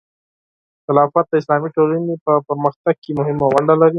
خلافت د اسلامي ټولنې په پرمختګ کې مهمه ونډه لري.